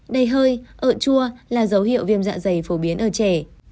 đầy hơi ở chua là dấu hiệu viêm dạ dày phổ biến ở trẻ